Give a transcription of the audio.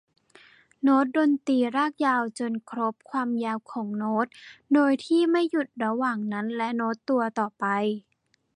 โน้ตดนตรีลากยาวจนครบความยาวของโน้ต โดยที่ไม่หยุดระหว่างนั้นและโน้ตตัวต่อไป